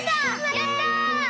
やった！